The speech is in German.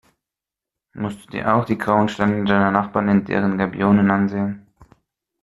Musst du dir auch die grauen Steine deiner Nachbarn in deren Gabionen ansehen?